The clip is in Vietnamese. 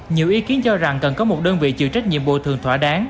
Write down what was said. nhiều ý kiến cho rằng cần có một đơn vị chịu trách nhiệm bồi thường thỏa đáng